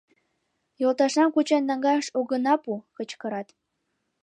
— Йолташнам кучен наҥгаяш огына пу! — кычкырат.